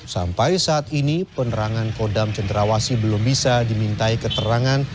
sampai saat ini penerangan kodam cenderawasi belum bisa dimintai keterangan